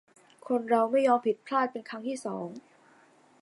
คนเราไม่ยอมผิดพลาดเป็นครั้งที่สอง